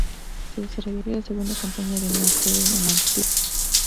Se desarrollaría la Segunda Campaña de Maceo en Mantua.